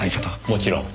もちろん。